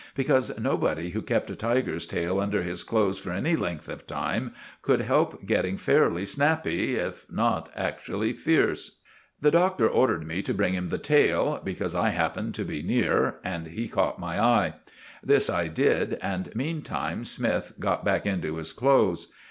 Because nobody who kept a tiger's tail under his clothes for any length of time could help getting fairly snappy, if not actually fierce. The Doctor ordered me to bring him the tail, because I happened to be near, and he caught my eye. This I did, and meantime Smythe got back into his clothes.